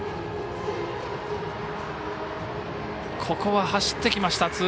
ここは、走ってきました。